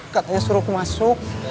katanya suruhku masuk